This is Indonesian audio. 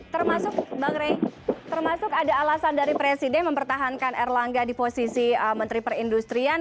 termasuk bang rey termasuk ada alasan dari presiden mempertahankan erlangga di posisi menteri perindustrian